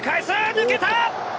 抜けた！